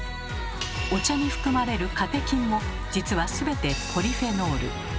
お茶に含まれる「カテキン」も実はすべてポリフェノール。